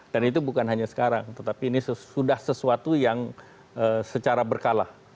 dan itu bukan hanya sekarang tetapi ini sudah sesuatu yang secara berkala